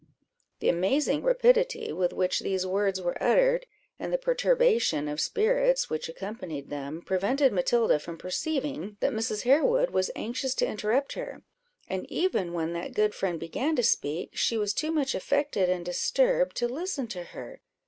The amazing rapidity with which these words were uttered, and the perturbation of spirits which accompanied them, prevented Matilda from perceiving that Mrs. Harewood was anxious to interrupt her; and even when that good friend began to speak, she was too much affected and disturbed to listen to her.